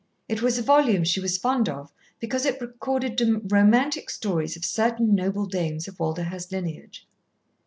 It was a volume she was fond of because it recorded romantic stories of certain noble dames of Walderhurst lineage.